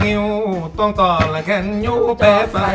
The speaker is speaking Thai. นิ้วต้องต่อแล้วแค่นิ้วไปไป